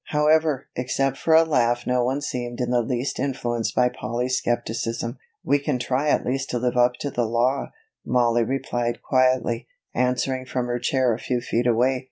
However, except for a laugh no one seemed in the least influenced by Polly's skepticism. "We can at least try to live up to the law," Mollie replied quietly, answering from her chair a few feet away.